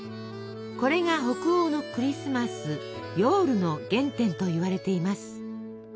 これが北欧のクリスマスヨウルの原点といわれています。